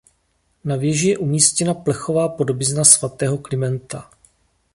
Na věži je umístěna plechová podobizna svatého Klimenta.